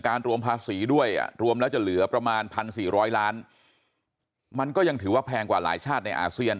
รวมภาษีด้วยรวมแล้วจะเหลือประมาณ๑๔๐๐ล้านมันก็ยังถือว่าแพงกว่าหลายชาติในอาเซียน